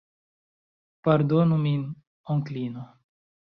Pardonu min, Onklino.